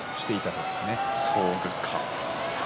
そうですか。